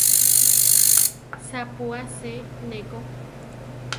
Sapú asé ne ko.